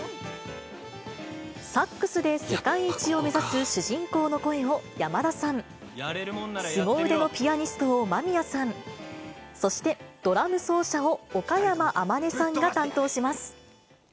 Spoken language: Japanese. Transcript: サックスで世界一を目指す主人公の声を山田さん、すご腕のピアニストを間宮さん、そしてドラム奏者を岡山天音さんが担当します。